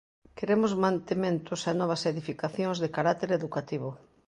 Queremos mantementos e novas edificacións de carácter educativo.